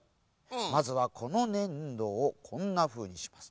まずはこのねんどをこんなふうにします。